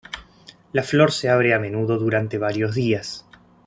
La flor se abre a menudo durante varios días.